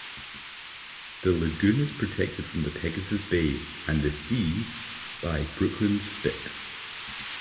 The Lagoon is protected from the Pegasus Bay (and the sea) by Brooklands Spit.